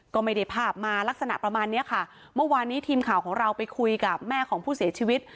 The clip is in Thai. ก็ไม่ได้ภาพมาลักษณะประมาณเนี้ยค่ะเมื่อวานนี้ทีมข่าวของเราไปคุยกับแม่ของผู้เสียชีวิต